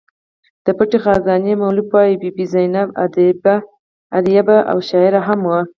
د پټې خزانې مولف وايي بي بي زینب ادیبه او شاعره هم وه.